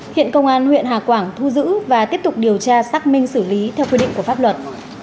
hiện công an huyện hà quảng thu giữ và tiếp tục điều tra xác minh xử lý theo quy định của pháp luật